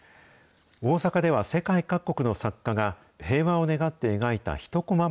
大阪では世界各国の作家が、平和を願って描いた一こま